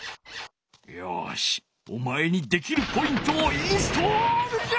よしお前にできるポイントをインストールじゃ！